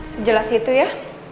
sejelas itu ya